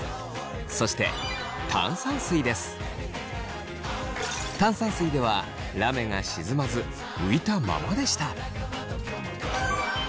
そして炭酸水ではラメが沈まず浮いたままでした。